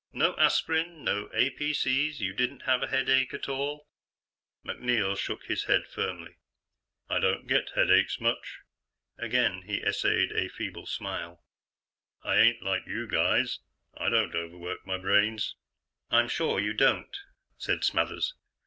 "No aspirin? No APC's? You didn't have a headache at all?" MacNeil shook his head firmly. "I don't get headaches much." Again he essayed a feeble smile. "I ain't like you guys, I don't overwork my brains." "I'm sure you don't," said Smathers.